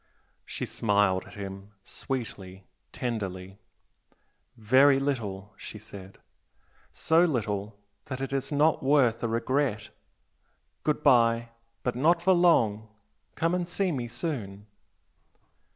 She smiled at him, sweetly tenderly, "Very little!" she said "So little that it is not worth a regret! Good bye! But not for long! Come and see me soon!"